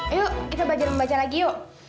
ayo kita baca membaca lagi yuk